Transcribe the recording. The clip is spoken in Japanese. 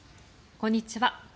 こんにちは。